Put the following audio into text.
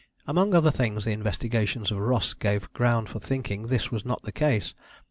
Among other things the investigations of Ross gave ground for thinking this was not the case.